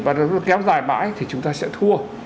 và kéo dài mãi thì chúng ta sẽ thua